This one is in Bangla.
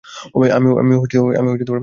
আমিও মরণশীল ছিলাম!